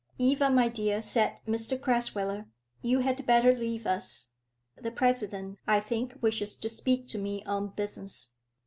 "Eva, my dear," said Mr Crasweller, "you had better leave us. The President, I think, wishes to speak to me on business."